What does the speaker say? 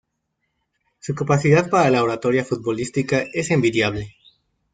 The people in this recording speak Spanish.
Su capacidad para la oratoria futbolística es envidiable.